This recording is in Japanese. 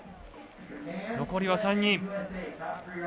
残りは３人。